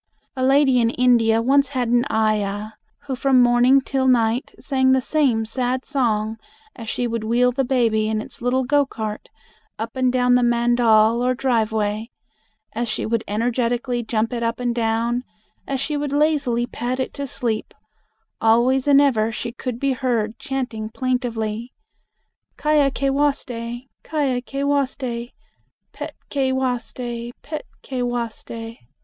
A lady in India once had an ayah, who from morning until night sang the same sad song as she would wheel the baby in its little go cart up and down the mandal or driveway; as she would energetically jump it up and down; as she would lazily pat it to sleep, always and ever she could be heard chanting plaintively, "Ky a ke waste, Ky a ke waste, pet ke waste, pet ke waste."